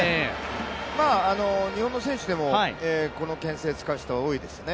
日本の選手でもこのけん制使う人は多いですね。